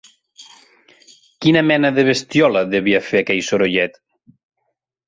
Quina mena de bestiola devia fer aquell sorollet?